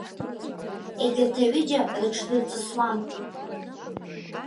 Егьырҭ аҩыџьа рыҽдырҵысуам.